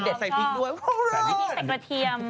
ใส่กระเทียม